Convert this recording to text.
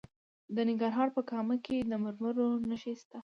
د ننګرهار په کامه کې د مرمرو نښې شته.